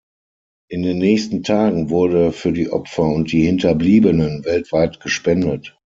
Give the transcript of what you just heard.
In den nächsten Tagen wurde für die Opfer und die Hinterbliebenen weltweit gespendet.